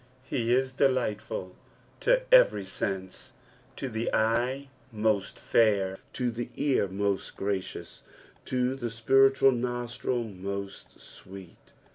He i6 dellehtful to every sense, to the eye most fair, to the ear most gracious, to the spintual nostril most sweet.